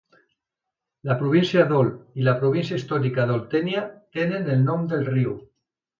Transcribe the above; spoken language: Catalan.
La província d'Olt i la província històrica d'Oltènia tenen el nom del riu.